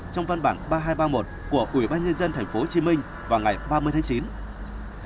trong văn bản ba nghìn hai trăm ba mươi một của ubnd tp hcm vào ngày ba mươi tháng chín